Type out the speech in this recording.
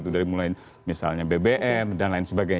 dari mulai misalnya bbm dan lain sebagainya